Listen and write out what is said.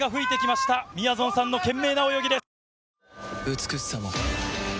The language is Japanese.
美しさも